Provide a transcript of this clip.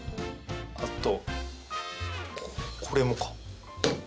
あとこれもか。